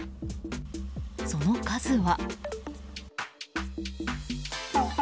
その数は。